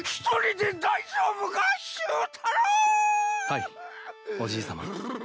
はいおじいさま。